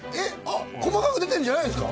細かく出てるんじゃないんすか？